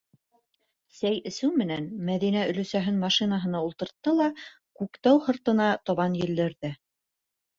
Сәй эсеү менән Мәҙинә өләсәһен машинаһына ултыртты ла Күктау һырттарына табан елдерҙе.